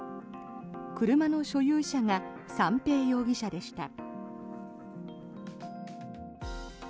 車の所有者が三瓶容疑者でした。